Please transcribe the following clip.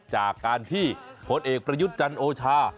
จากการที่โพสต์เอกประยุจจันโอชา